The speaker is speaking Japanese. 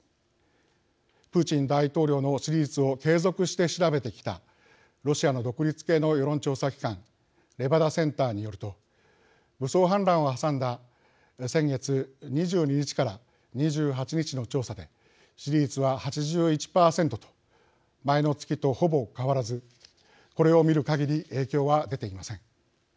プーチン大統領の支持率を継続して調べてきたロシアの独立系の世論調査機関レバダセンターによると武装反乱をはさんだ先月２２日から２８日の調査で支持率は８１％と前の月とほぼ変わらずこれを見るかぎり影響は出ていません。